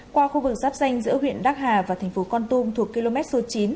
qua khu vực giáp danh giữa huyện đắc hà và thành phố con tum thuộc km số chín